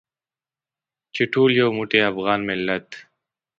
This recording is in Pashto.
چې ټول یو موټی افغان ملت.